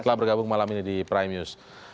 telah bergabung malam ini di prime news